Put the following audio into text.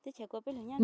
nhà nước vận động